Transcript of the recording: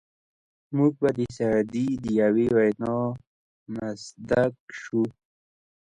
موږ به د سعدي د یوې وینا مصداق شو.